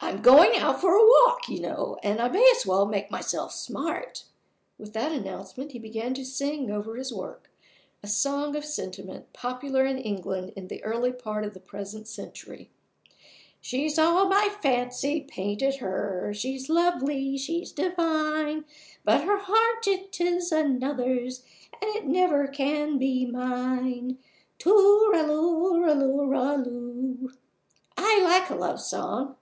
"I'm going out for a walk, you know, and I may as well make myself smart." With that announcement, he began to sing over his work a song of sentiment, popular in England in the early part of the present century "She's all my fancy painted her; she's lovely, she's divine; but her heart it is another's; and it never can be mine! Too ral loo ral loo'. I like a love song.